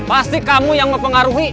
pasti kamu yang mempengaruhi